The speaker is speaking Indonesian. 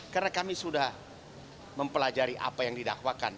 karena kami sudah mempelajari apa yang didakwakan